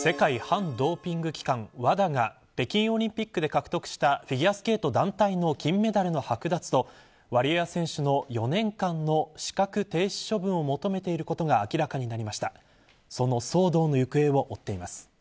世界反ドーピング機関ＷＡＤＡが北京オリンピックで獲得したフィギュアスケート団体の金メダルのはく奪とワリエワ選手の４年間の資格停止処分を求めていることが明らかになりました。